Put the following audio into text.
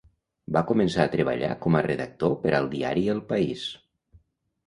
Va començar a treballar com a redactor per al diari El País.